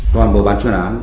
toàn bộ ban chuyên án